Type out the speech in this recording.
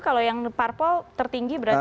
kalau yang parpol tertinggi berarti